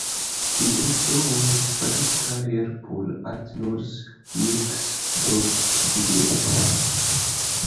He also won his first career pole at North Wilkesboro Speedway.